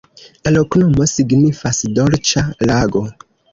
La loknomo signifas: "dolĉa lago".